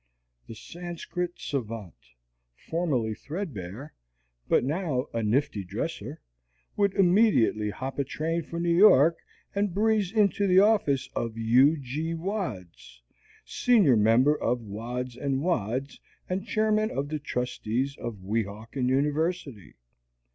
The Sanscrit savant, formerly threadbare, but now a nifty dresser, would immediately hop a train for New York and breeze into the office of Hugh G. Wads, senior member of Wads & Wads and Chairman of the Trustees of Weehawken University.